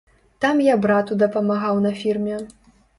Там я брату дапамагаў на фірме.